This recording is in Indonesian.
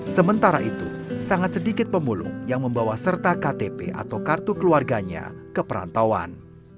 sementara itu sangat sedikit pemulung yang membawa serta ktp atau kartu keluarganya ke perantauan